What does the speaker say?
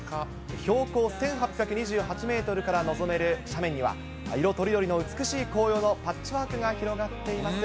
標高１８２８メートルから臨める斜面には、色とりどりの美しい紅葉のパッチワークが広がっています。